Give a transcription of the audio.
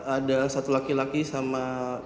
ada satu laki laki sama